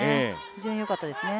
非常によかったですね。